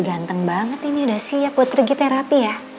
ganteng banget ini udah siap buat pergi terapi ya